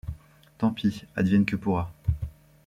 Tant pis ! Advienne que pourra.